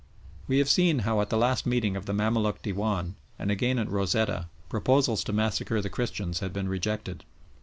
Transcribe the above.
We have seen how at the last meeting of the Mamaluk Dewan, and again at Rosetta, proposals to massacre the Christians had been rejected.